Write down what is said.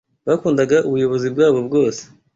Bakundaga ubuyobozi bwabo bwose